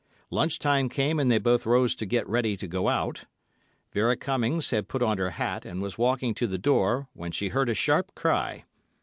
Lunch time came and they both rose to get ready to go out. Vera Cummings had put on her hat, and was walking to the door, when she heard a sharp cry.